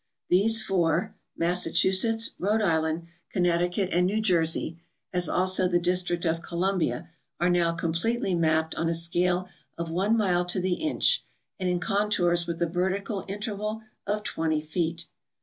These four, Mas sachusetts, Rhode Island, Connecticut, and New Jersey, as also the District of Columbia, are now completely mapped on a scale of one mile to the inch and in contours with a vertical interval of 20 feet.